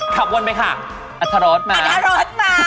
ขับวนไปค่ะอัทรดมา